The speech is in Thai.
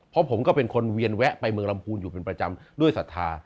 เพราะผมก็เป็นคนเวียนแวะไปเมืองลำพูนอยู่เป็นประจำด้วยศรัทธา